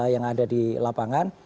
yang ada di lapangan